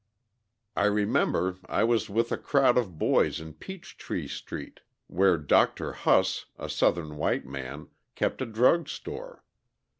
I remember I was with a crowd of boys in Peachtree Street, where Dr. Huss, a Southern white man, kept a drug store.